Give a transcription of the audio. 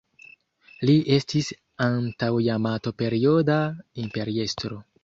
Li estis Antaŭ-Jamato-Perioda imperiestro.